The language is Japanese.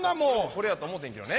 これやと思うてんけどね。